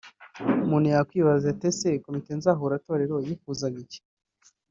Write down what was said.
Umuntu yakwibaza ati ese Komite Nzahuratorero yifuzaga iki